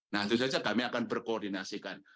nah itu saja kami akan berkoordinasikan